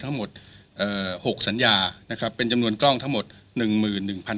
หกสัญญานะครับเป็นจำนวนกล้องทั้งหมดหนึ่งหมื่นหนึ่งพัน